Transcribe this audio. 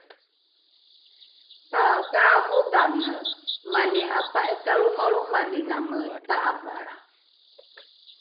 takaarodhange mani apa’ikalromalromaliname ta’avalra